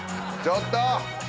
ちょっと。